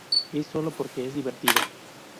Es solo porque es divertido.